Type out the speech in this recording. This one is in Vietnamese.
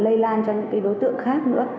lây lan cho những đối tượng khác nữa